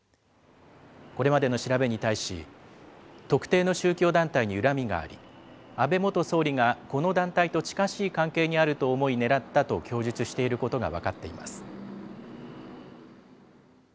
これまでの調べに対し、特定の宗教団体に恨みがあり、安倍元総理がこの団体と近しい関係にあると思い狙ったと供述していることが分かっています。